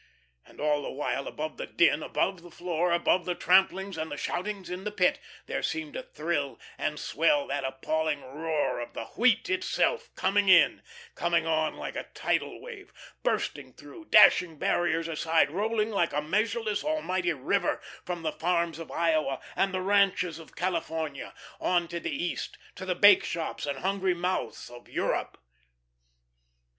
And all the while above the din upon the floor, above the tramplings and the shoutings in the Pit, there seemed to thrill and swell that appalling roar of the Wheat itself coming in, coming on like a tidal wave, bursting through, dashing barriers aside, rolling like a measureless, almighty river, from the farms of Iowa and the ranches of California, on to the East to the bakeshops and hungry mouths of Europe.